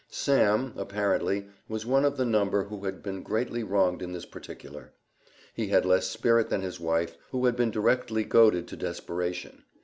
Sam, apparently, was one of the number who had been greatly wronged in this particular. He had less spirit than his wife, who had been directly goaded to desperation.